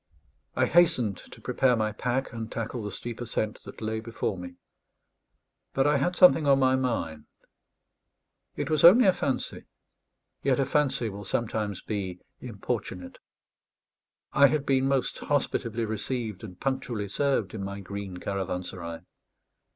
I hastened to prepare my pack, and tackle the steep ascent that lay before me; but I had something on my mind. It was only a fancy; yet a fancy will sometimes be importunate. I had been most hospitably received and punctually served in my green caravanserai.